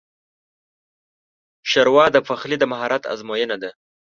ښوروا د پخلي د مهارت ازموینه ده.